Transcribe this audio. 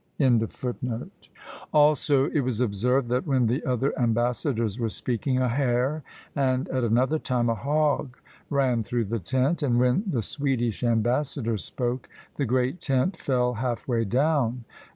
Also it was observed, that when the other ambassadors were speaking, a hare, and at another time a hog, ran through the tent; and when the Swedish ambassador spoke, the great tent fell half way down.